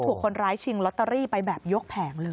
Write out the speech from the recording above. ถูกคนร้ายชิงลอตเตอรี่ไปแบบยกแผงเลย